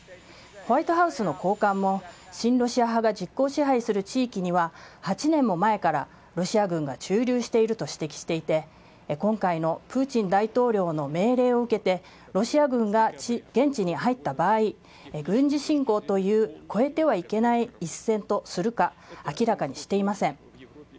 ホワイトハウスの高官も、親ロシア派が実効支配する地域には、８年も前からロシア軍が駐留していると指摘していて、今回のプーチン大統領の命令を受けて、ロシア軍が現地に入った場合、軍事侵攻という越えてはいけない一線とするか、明らかにしていません。